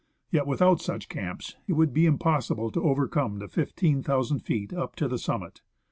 Yet without such camps it would be impossible to overcome the 15,000 feet up to the summit.